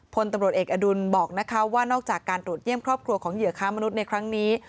พลตำรวจเอกอดุลบอกว่านอกจากการตรวจเยี่ยมครอบครัวของเหยื่อค้ามนุษย์ในครั้งนี้